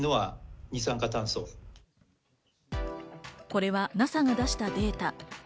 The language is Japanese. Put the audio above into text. これはＮＡＳＡが出したデータ。